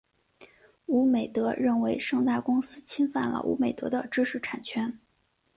娱美德认为盛大公司侵犯了娱美德的知识产权。